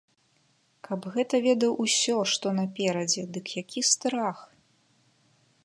Каб гэта ведаў усё, што наперадзе, дык які страх!